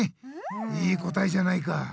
いい答えじゃないか。